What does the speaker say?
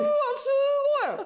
すごい！